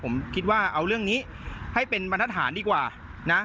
ผมคิดว่าเอาเรื่องนี้ให้เป็นบรรทัศหารดีกว่านะ